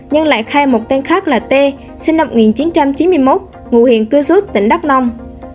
nhưng lại khai một tên khác là t sinh năm một nghìn chín trăm chín mươi một ngụ huyện cư rút tỉnh đắk nông